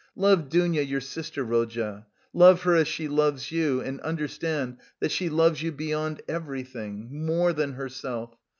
Love Dounia your sister, Rodya; love her as she loves you and understand that she loves you beyond everything, more than herself.